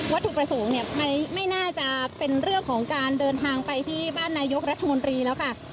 ถูกประสงค์เนี่ยไม่น่าจะเป็นเรื่องของการเดินทางไปที่บ้านนายกรัฐมนตรีแล้วค่ะ